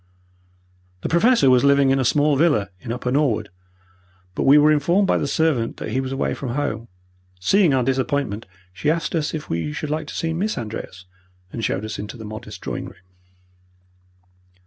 The Professor was living in a small villa in Upper Norwood, but we were informed by the servant that he was away from home. Seeing our disappointment, she asked us if we should like to see Miss Andreas, and showed us into the modest drawing room.